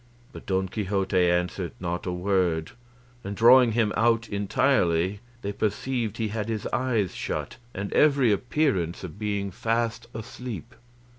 But Don Quixote answered not a word, and drawing him out entirely they perceived he had his eyes shut and every appearance of being fast asleep.